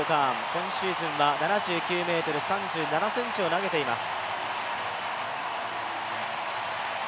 今シーズンは７９ｍ３７ｃｍを投げています。